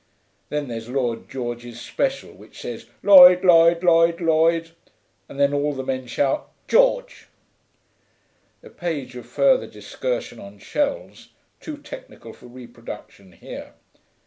Then there's Lloyd George's Special, which says "Lloyd Lloyd Lloyd Lloyd," and then all the men shout "George."' (A page of further discursion on shells, too technical for reproduction here.